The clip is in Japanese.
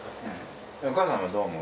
お母さんはどう思う？